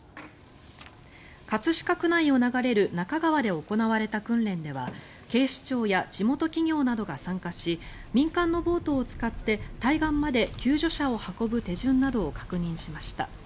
葛飾区内を流れる中川で行われた訓練では警視庁や地元企業などが参加し民間のボートを使って対岸まで救助者を運ぶ手順などを確認しました。